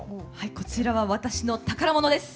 こちらは私の宝物です。